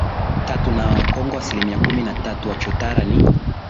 tatu na Wakongo asilimia kumi na tatu Machotara ni